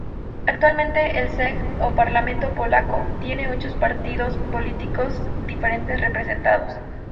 Actualmente el Sejm, o parlamento polaco, tiene ocho partidos políticos diferentes representados.